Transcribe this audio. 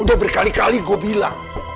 udah berkali kali gue bilang